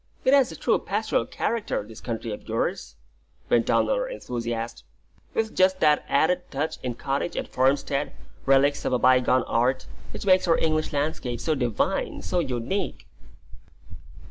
"It has the true pastoral character, this country of yours," went on our enthusiast: "with just that added touch in cottage and farmstead, relics of a bygone art, which makes our English landscape so divine, so unique!"